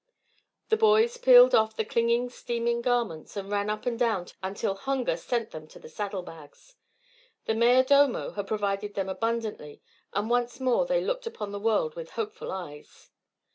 The boys peeled off the clinging steaming garments and ran up and down until hunger sent them to the saddle bags. The mayor domo had provided them abundantly, and once more they looked upon the world with hopeful eyes.